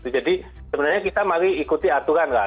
jadi sebenarnya kita mari ikuti aturan lah